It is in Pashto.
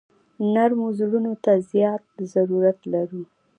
نرمو زړونو ته زیات ضرورت لرو.